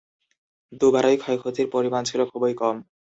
দু-বারই ক্ষয়ক্ষতির পরিমাণ ছিল খুবই কম।